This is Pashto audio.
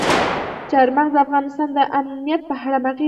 چار مغز د افغانستان د امنیت په اړه هم اغېز لري.